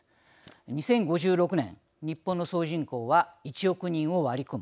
２０５６年日本の総人口は１億人を割り込む。